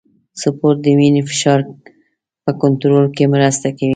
سپورت د وینې فشار په کنټرول کې مرسته کوي.